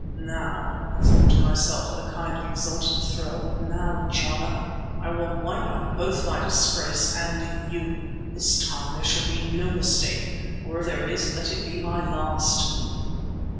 Now, thought I to myself with a kind of exultant thrill, now, Jana, I will wipe out both my disgrace and you. This time there shall be no mistake, or if there is, let it be my last.